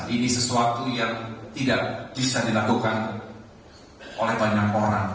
ini sesuatu yang tidak bisa dilakukan oleh banyak orang